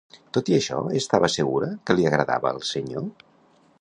Tot i això, estava segura que li agradava al senyor?